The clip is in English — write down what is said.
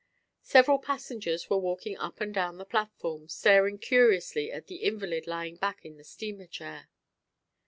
Several passengers were walking up and down the platform, staring curiously at the invalid lying back in the steamer chair.